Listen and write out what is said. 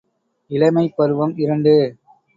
இளமைப் பருவம் இரண்டு.